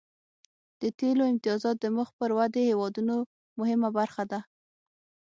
د تیلو امتیازات د مخ پر ودې هیوادونو مهمه برخه ده